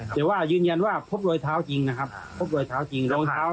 แต่ว่ายืนยันว่าพบรอยเท้าจริงนะครับพบรอยเท้าจริงรองเท้า